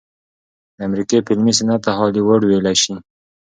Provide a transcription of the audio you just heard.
د امريکې فلمي صنعت ته هالي وډ وئيلے شي